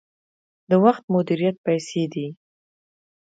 د وخت مدیریت پیسې دي